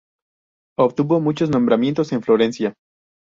Obtuvo muchos nombramientos en Florencia.